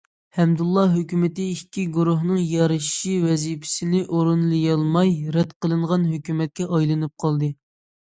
ھەمدۇللا ھۆكۈمىتى ئىككى گۇرۇھنىڭ يارىشىشى ۋەزىپىسىنى ئورۇنلىيالماي، رەت قىلىنغان ھۆكۈمەتكە ئايلىنىپ قالدى.